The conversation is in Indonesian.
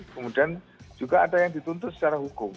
kemudian juga ada yang dituntut secara hukum